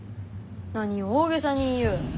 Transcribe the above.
何を大げさに言いゆう。